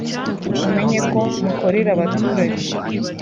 mumenyeko mukorera abaturage